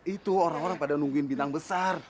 itu orang orang pada nungguin bintang besar